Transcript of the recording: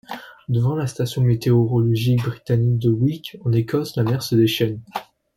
Devant la station météorologique britannique de Wick, en Écosse, la mer se déchaîne.